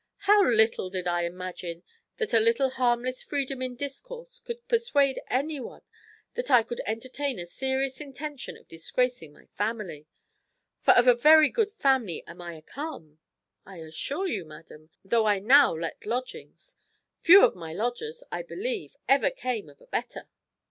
_ How little did I imagine that a little harmless freedom in discourse could persuade any one that I could entertain a serious intention of disgracing my family! for of a very good family am I come, I assure you, madam, though I now let lodgings. Few of my lodgers, I believe, ever came of a better."